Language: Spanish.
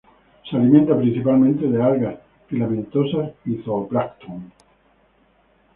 Se alimenta principalmente de algas filamentosas y zooplancton.